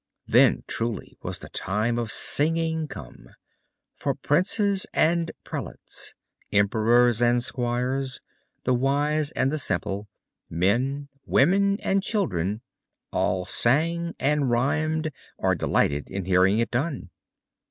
Then truly was the time of singing come; for princes and prelates, emperors and squires, the wise and the simple, men, women and children, all sang and rhymed, or delighted in hearing it done.